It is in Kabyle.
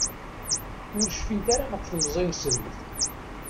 Ur cfint ara ɣef temẓi-nsent.